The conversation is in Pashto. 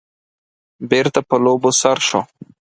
بېرته په لوبو سر شو.